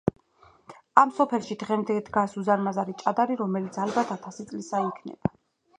ამ სოფელში დღემდე დგას უზარმაზარი ჭადარი, რომელიც ალბათ ათასი წლისა იქნება.